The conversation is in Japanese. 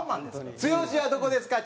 剛はどこですか？